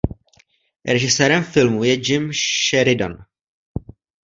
Režisérem filmu je Jim Sheridan.